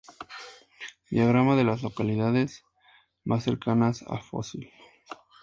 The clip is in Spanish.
Diagrama de las localidades más cercanas a Fossil